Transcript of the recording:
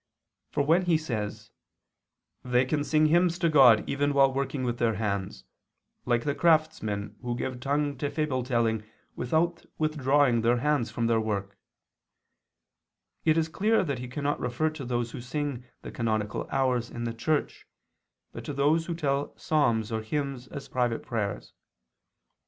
For when he says: "They can sing hymns to God even while working with their hands; like the craftsmen who give tongue to fable telling without withdrawing their hands from their work," it is clear that he cannot refer to those who sing the canonical hours in the church, but to those who tell psalms or hymns as private prayers.